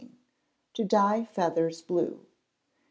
To Dye Feathers Blue.